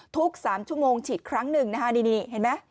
ทุก๓ชั่วโมงฉีดครั้งหนึ่งนะฮะนี่เห็นไหม